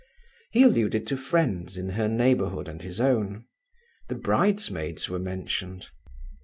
He alluded to friends in her neighbourhood and his own. The bridesmaids were mentioned.